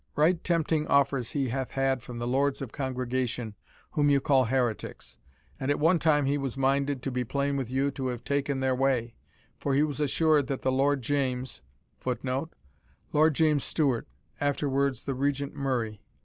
Right tempting offers he hath had from the Lords of Congregation, whom you call heretics; and at one time he was minded, to be plain with you, to have taken their way for he was assured that the Lord James [Footnote: Lord James Stewart, afterwards the Regent Murray.